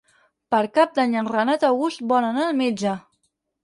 Per Cap d'Any en Renat August vol anar al metge.